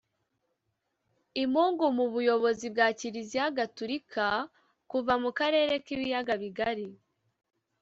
imungu mu buyobozi bwa kiliziya gatulika kuva mu karere k’ibiyaga bigari